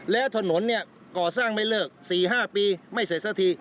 และถนนก่อสร้างไม่เลิก๔๕ปีไม่เสร็จซักที